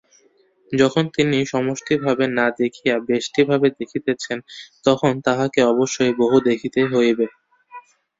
যখন তিনি সমষ্টিভাবে না দেখিয়া ব্যষ্টিভাবে দেখিতেছেন, তখন তাঁহাকে অবশ্যই বহু দেখিতে হইবে।